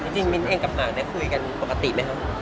จริงมินเองกับหมาได้คุยกันปกติไหมคะ